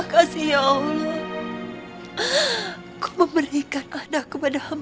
gak tau gua